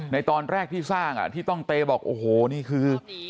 ในตอนแรกที่สร้างที่ต้องเตบอกโอ้โหนี่คือ